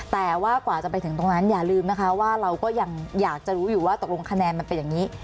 แต่ว่ากว่าจะไปถึงตรงนั้นอย่าลืมนะคะว่าเราก็ยังอยากจะรู้อยู่ว่าตกลงคะแนนมันเป็นอย่างนี้